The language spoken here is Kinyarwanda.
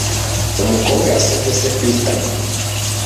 Umukobwa yasomye se ku itama.